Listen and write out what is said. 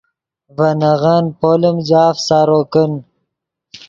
ڤے نغن پولیم جاف سارو کن